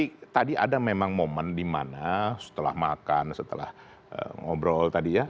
jadi tadi ada memang momen di mana setelah makan setelah ngobrol tadi ya